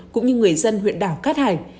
cũng như người dân huyện đảo cát hải